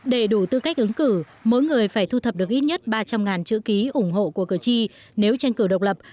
để đủ tư cách ứng cử mỗi người phải thu thập được ít nhất ba trăm linh chữ ký ủng hộ của cử tri nếu tranh cử độc lập